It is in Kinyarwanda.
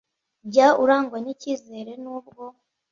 Jya urangwa n’ icyizere nubwo